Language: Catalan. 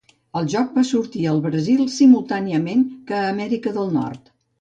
El joc va sortir al Brasil simultàniament que a Amèrica del Nord.